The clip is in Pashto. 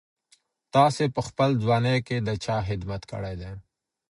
تاسي په خپله ځواني کي د چا خدمت کړی دی؟